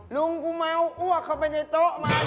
ลุงกูเมาอ้วกเข้าไปในโต๊ะมัน